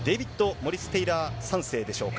モリス・テーラーイ３世でしょうか。